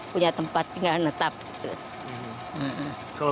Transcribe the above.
punya tempat tinggal netap gitu